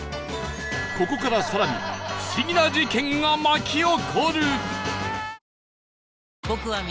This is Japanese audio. ここから更に不思議な事件が巻き起こる！